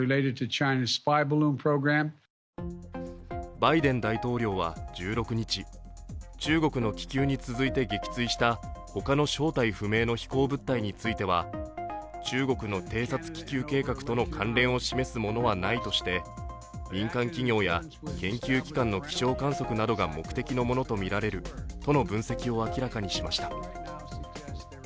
バイデン大統領は１６日中国の気球に続いて撃墜した他の正体不明の飛行物体については中国の偵察気球計画との関連を示すものはないとして民間企業や研究機関の気象観測などが目的のものとみられるとの分析を明らかにしました。